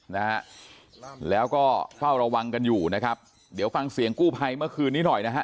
นะฮะแล้วก็เฝ้าระวังกันอยู่นะครับเดี๋ยวฟังเสียงกู้ภัยเมื่อคืนนี้หน่อยนะฮะ